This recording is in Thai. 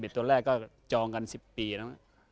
๑๑ตอนแรกก็จองกัน๑๐ปีนะ